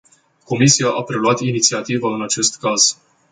Comisia a preluat inițiativa în acest caz.